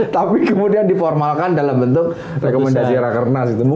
tapi kemudian diformalkan dalam bentuk rekomendasi rakernas